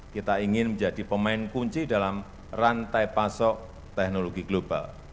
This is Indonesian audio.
kita ingin menjadi pemain kunci dalam rantai pasok teknologi global